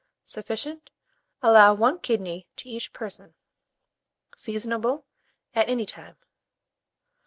Sufficient. Allow 1 kidney to each person. Seasonable at any time.